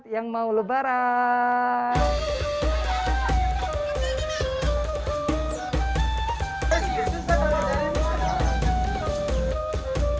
yang mau lebaran